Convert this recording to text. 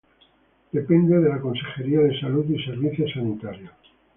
Depende de la Consejería de Salud y Servicios Sanitarios.